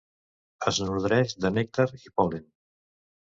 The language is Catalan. Es nodreix de nèctar i pol·len.